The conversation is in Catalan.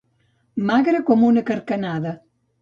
Magre com una carcanada.